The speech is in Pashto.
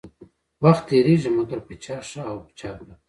وخت تيريږي مګر په چا ښه او په چا بد.